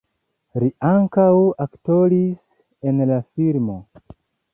Li ankaŭ aktoris en la filmo.